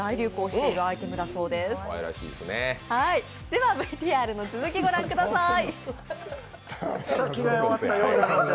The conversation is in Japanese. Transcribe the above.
ではＶＴＲの続き、御覧ください。